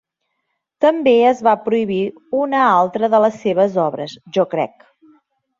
També es va prohibir una altra de les seves obres "Jo crec".